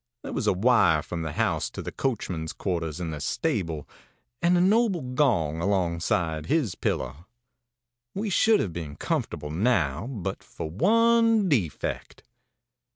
There was a wire from the house to the coachman's quarters in the stable, and a noble gong alongside his pillow. ãWe should have been comfortable now but for one defect.